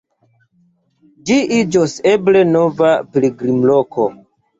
Ĝi iĝos eble nova pilgrimloko.